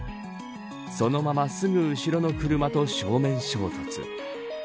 そのまますぐ後ろの車と正面衝突。